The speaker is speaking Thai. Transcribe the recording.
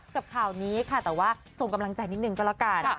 ข่าวนี้ค่ะแต่ว่าส่งกำลังใจนิดนึงก็แล้วกัน